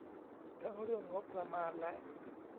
ทั้งเรื่องงบประมาณและ